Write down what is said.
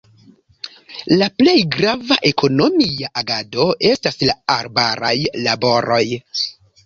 La plej grava ekonomia agado estas la arbaraj laboroj.